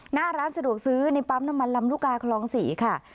หน้าร้านสะดวกซื้อในปั๊มน้ำมันลำลูกกาคลอง๔ค่ะ